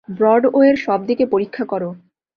ব্রডওয়ের সব দিকে পরীক্ষা করো।